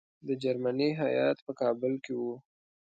د جرمني هیات په کابل کې وو.